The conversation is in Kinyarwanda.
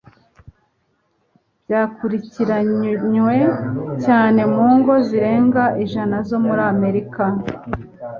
byakurikiranwe cyane mu ngo zirenga ijana zo muri Amerika.